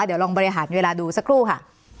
เดี๋ยวลองบริหารเวลาดูสักครู่ค่ะ